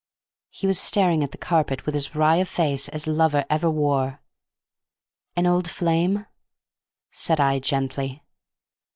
He was staring at the carpet with as wry a face as lover ever wore. "An old flame?" said I, gently.